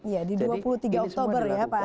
jadi ini semua dilakukan bukan karena keramaian